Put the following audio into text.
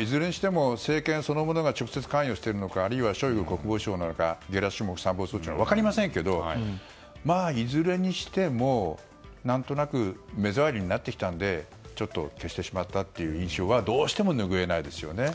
いずれにしても政権そのものが直接関与しているのかあるいはショイグ国防相なのかゲラシモフ参謀総長なのか分かりませんけれどもいずれにしても何となく目障りになってきたのでちょっと消してしまったという印象はどうしても拭えないですよね。